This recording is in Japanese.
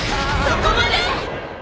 ・そこまで！